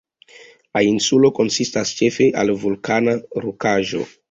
La insulo konsistas ĉefe el vulkana rokaĵo.